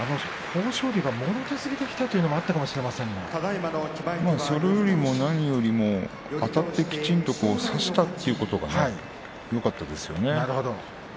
豊昇龍がもろ手突きできたということもそれよりも何よりもあたってきちんと差したということがよかったですよね。